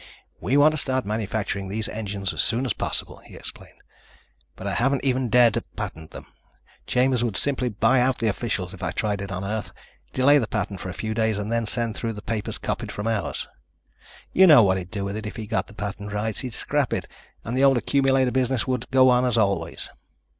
"We want to start manufacturing these engines as soon as possible," he explained, "but I haven't even dared to patent them. Chambers would simply buy out the officials if I tried it on Earth, delay the patent for a few days and then send through papers copied from ours. You know what he'd do with it if he got the patent rights. He'd scrap it and the old accumulator business would go on as always.